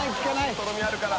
とろみあるから。